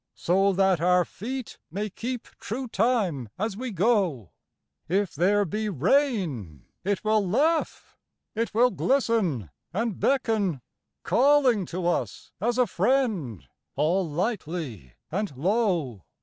So that our feet may keep true time as we go ; If there be rain, it will laugh, it will glisten, and beckon, Calling to us as a friend all lightly and low.'